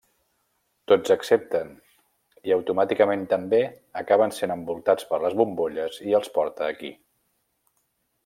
Tots accepten, i automàticament també acaben sent envoltats per les bombolles i els porta aquí.